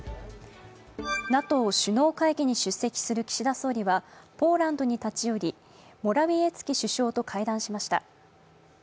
ＮＡＴＯ首脳会議に出席する岸田総理はポーランドに立ち寄り、モラウィエツキ首相と会談しました。